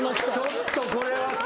ちょっとこれはすごい。